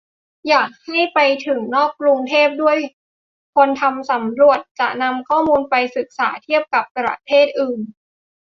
อยากให้ไปถึงนอกกรุงเทพด้วย คนทำสำรวจจะนำข้อมูลไปศึกษาเทียบกับประเทศอื่น